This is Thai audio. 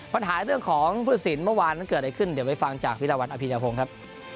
ปัญหาเรื่องของพุทธศิลป์เมื่อวานมันเกิดอะไรขึ้นเดี๋ยวไปฟังจากวิราวันอภิญญาพงศ์ครับ